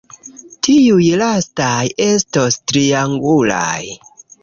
Tiuj lastaj estos triangulaj.